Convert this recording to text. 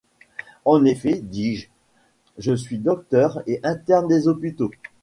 En effet, dis-je, je suis docteur et interne des hôpitaux.